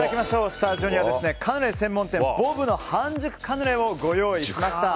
スタジオにはカヌレ専門店ｂｏＢの半熟カヌレをご用意しました。